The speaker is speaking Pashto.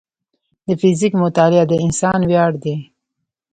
د فزیک مطالعه د انسان ویاړ دی.